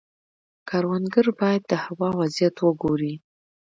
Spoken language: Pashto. کروندګر باید د هوا وضعیت وګوري.